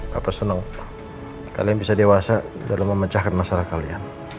kapan senang kalian bisa dewasa dalam memecahkan masalah kalian